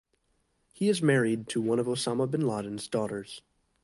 He is married to one of Osama bin Laden's daughters.